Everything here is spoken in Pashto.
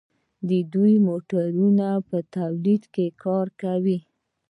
دوی د موټرو په تولید کې کار کوي.